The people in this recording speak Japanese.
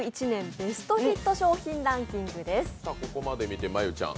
ベストヒット商品ランキングです。